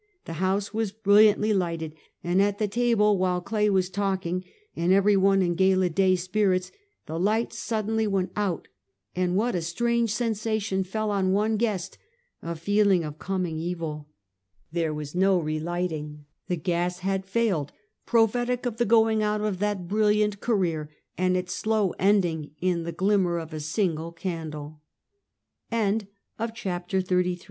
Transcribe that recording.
The house was brilliantly 11 162 Half a Centuet. lighted, and at the table, while Clay was talking, and every one in gala day spirits, the light suddenly went out, and what a strange sensation fell on one guest — a feeling of coming evil. There was no re lighting. The gas had failed, pro phetic of the going out of that brilliant career, and its slow ending in the glimmer of a single candle. CHAPTEK XXXIV.